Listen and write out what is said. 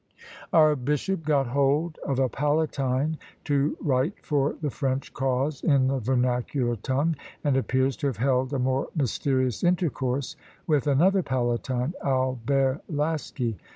Our bishop got hold of a palatine to write for the French cause in the vernacular tongue; and appears to have held a more mysterious intercourse with another palatine, Albert Lasky.